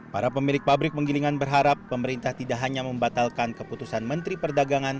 para pemilik pabrik penggilingan berharap pemerintah tidak hanya membatalkan keputusan menteri perdagangan